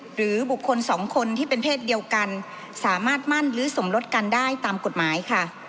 หรือบุคคลสองคนที่เป็นเพศเดียวกันสามารถมั่นหรือสมรสกันได้ตามกฎหมายค่ะ